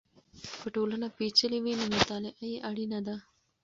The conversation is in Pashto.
که ټولنه پېچلې وي نو مطالعه یې اړینه ده.